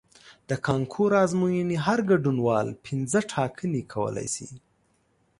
د کانکور ازموینې هر ګډونوال پنځه ټاکنې کولی شي.